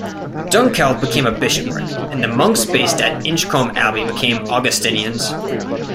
Dunkeld became a bishopric, and the monks based at Inchcolm Abbey became Augustinians.